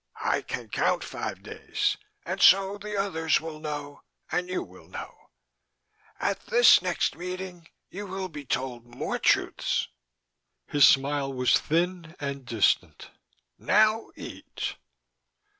I can count five days, and so the others will know, and you will know. At this next meeting you will be told more truths." His smile was thin and distant. "Now eat."